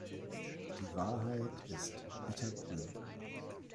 Die Wahrheit ist bittergrün.